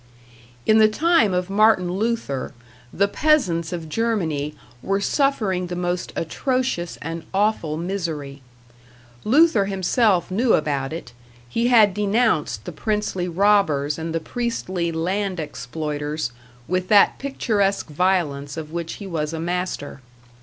In the time of Martin Luther, the peasants of Germany were suffering the most atrocious and awful misery; Luther himself knew about it, he had denounced the princely robbers and the priestly land exploiters with that picturesque violence of which he was a master.